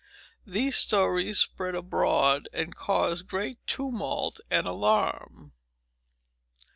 These stories spread abroad, and caused great tumult and alarm.